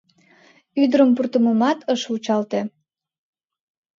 Ӱдырым пуртымымат ыш вучалте.